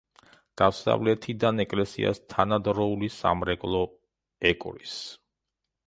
დასავლეთიდან ეკლესიას თანადროული სამრეკლო ეკვრის.